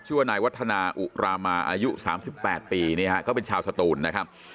ช่วยว่านายวัฒนาอุรามาอายุ๓๘ปีนี่ครับก็เป็นชาวสตูนนะครับ